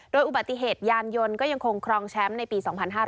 โดยอุบัติเหตุยานยนต์ก็ยังคงครองแชมป์ในปี๒๕๕๙